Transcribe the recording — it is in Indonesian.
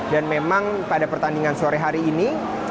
dan memang pada pertandingan sore hari ini